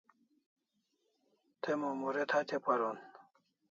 Te Mumuret hatya paron